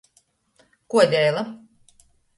Kuodeila.